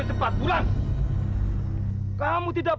satu orang jalan torch besar pilih